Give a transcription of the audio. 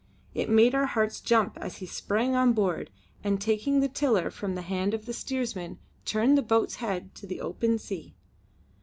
It made our hearts jump as he sprang on board and taking the tiller from the hand of the steersman turned the boat's head to the open sea.